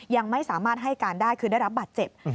ยังไม่สามารถให้การได้คือได้รับบาดเจ็บ